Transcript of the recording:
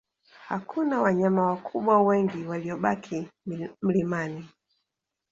Hakuna wanyama wakubwa wengi waliobaki mlimani